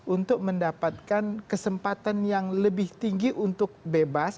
untuk mendapatkan kesempatan yang lebih tinggi untuk bebas